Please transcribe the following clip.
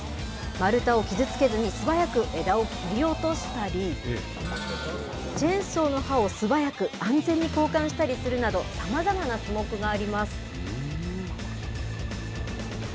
丸太を傷つけずに素早く枝を切り落としたり、チェーンソーの刃を、素早く安全に交換したりするなど、さまざまな種目があります。